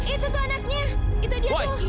itu tuh anaknya itu dia tuh